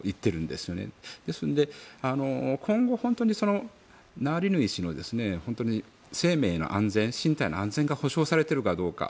ですので、今後本当にナワリヌイ氏の生命の安全身体の安全が保証されているかどうか。